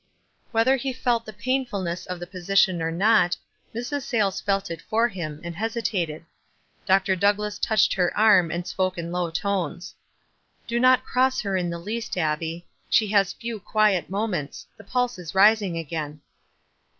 Whether he felt the painfulness of the position or not, Mrs. Sayles felt it for him, and hesitated. Dr. Douglass touched her arm, and spoke in low tones. "Do not cross her in the least, Abbie. She has few quiet moments ; the pulse is rising again."